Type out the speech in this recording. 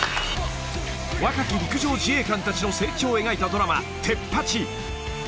［若き陸上自衛官たちの成長を描いたドラマ『テッパチ！』］